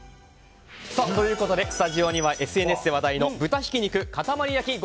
スタジオにはＳＮＳで話題の豚ひき肉かたまり焼きを